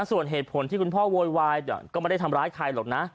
ส่วนเหตุผลที่คุณพ่อโวยวายก็ไม่ได้ทำร้ายใครหรอกนะ